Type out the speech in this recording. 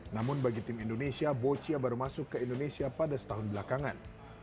namun bagi tim indonesia boccia baru masuk ke indonesia pada setahun belakangan